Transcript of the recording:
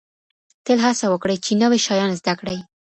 تل هڅه وکړئ چي نوي شیان زده کړئ.